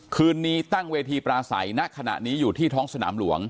คืนนี้ตั้งเวทีปราศัยณขณะนี้อยู่ที่ท้องสนามหลวง